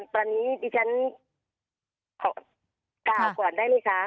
ตอนนี้ที่ฉันกล่าวก่อนได้เลยค่ะ